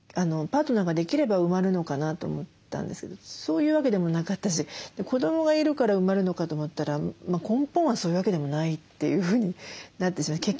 パートナーができれば埋まるのかなと思ったんですけどそういうわけでもなかったし子どもがいるから埋まるのかと思ったら根本はそういうわけでもないというふうになってしまう。